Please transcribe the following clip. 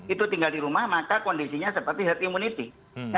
itu tinggal di rumah maka kondisinya seperti herd immunity